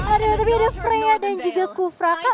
ada yang ada freya dan juga kufraka